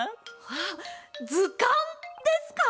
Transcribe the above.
あっずかんですか？